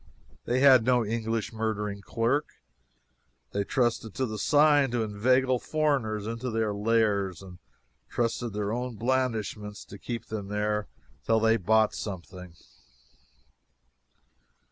They had no English murdering clerk. They trusted to the sign to inveigle foreigners into their lairs, and trusted to their own blandishments to keep them there till they bought something.